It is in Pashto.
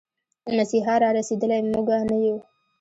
مسيحا را رسېدلی، موږه نه يو